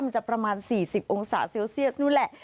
จะประมาณ๔๐องศาเซลเซียสนู้นแหละ